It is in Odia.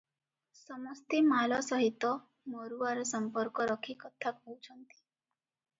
ସମସ୍ତେ ମାଲ ସହିତ ମରୁଆର ସମ୍ପର୍କ ରଖି କଥା କହୁଛନ୍ତି ।